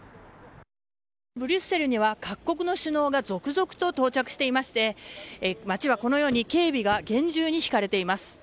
ブリュッセルには各国の首脳が続々と到着していまして街は警備が厳重に敷かれています。